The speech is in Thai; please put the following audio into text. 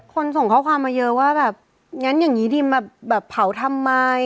ส่งข้อความมาเยอะว่าแบบงั้นอย่างนี้ดิมาแบบเผาทำไม